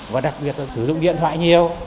và đặc biệt là sử dụng điện thoại nhiều